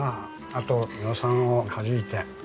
あと予算をはじいて。